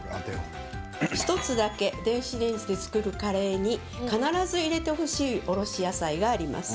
１つだけ電子レンジで作るカレーに必ず入れてほしいおろし野菜があります。